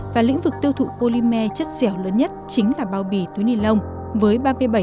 và lĩnh vực tiêu thụ polymer chất dẻo lớn nhất chính là bao bì túi ni lông với ba mươi bảy